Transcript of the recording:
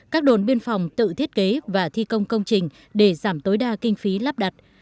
các đồn biên phòng tự thiết kế và thi công công trình để giảm tối đa kinh phí lắp đặt